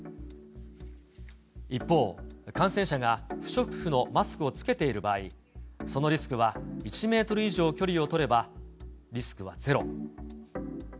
一方、感染者が不織布のマスクを着けている場合、そのリスクは１メートル以上距離を取れば、リスクはゼロ。